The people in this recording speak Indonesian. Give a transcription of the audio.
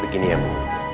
begini ya bu